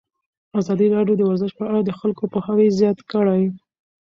ازادي راډیو د ورزش په اړه د خلکو پوهاوی زیات کړی.